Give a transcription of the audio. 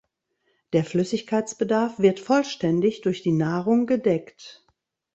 Der Flüssigkeitsbedarf wird vollständig durch die Nahrung gedeckt.